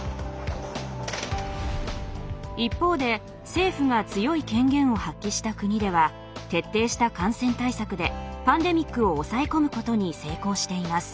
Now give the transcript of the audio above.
一方で政府が強い権限を発揮した国では徹底した感染対策でパンデミックを抑え込むことに成功しています。